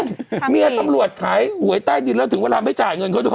เมียตำรวจขายหวยใต้ดินแล้วถึงเวลาไม่จ่ายเงินเขาด้วย